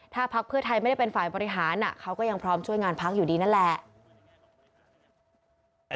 ถ้าพักเพื่อไทยไม่ได้เป็นฝ่ายบริหารเขาก็ยังพร้อมช่วยงานพักอยู่ดีนั่นแหละ